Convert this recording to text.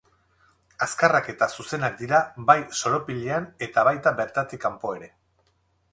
Azkarrak eta zuzenak dira bai soropilean eta baita bertatik kanpo ere.